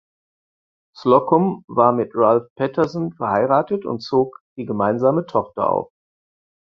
Slocum war mit Ralph Peterson verheiratet und zog die gemeinsame Tochter auf.